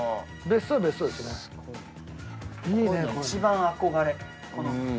一番憧れこの。